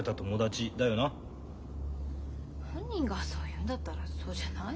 本人がそう言うんだったらそうじゃない？